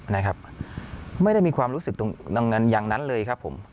นะครับไม่ได้มีความรู้สึกตรงนั้นอย่างนั้นเลยครับผม